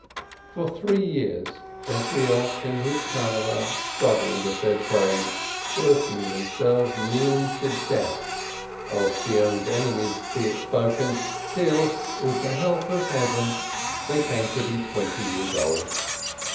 For three years Ezrielk and his 'Channehle struggled at their trades, working themselves nearly to death (of Zion's enemies be it spoken!), till, with the help of Heaven, they came to be twenty years old.